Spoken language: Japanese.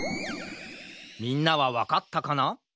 みんなはわかったかな？